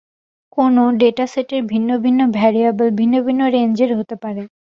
কোন ডেটাসেটের ভিন্ন ভিন্ন ভ্যারিয়েবল ভিন্ন ভিন্ন রেঞ্জের হতে পারে।